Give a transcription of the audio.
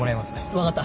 分かった。